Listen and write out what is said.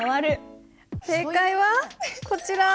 正解はこちら。